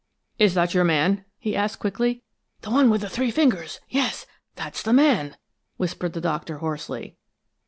"Is that your man?" he asked, quickly. "The one with the three fingers! Yes! That's the man!" whispered the Doctor, hoarsely.